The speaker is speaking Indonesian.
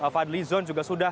fadlizon juga sudah